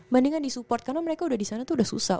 mendingan di support karena mereka udah di sana tuh udah susah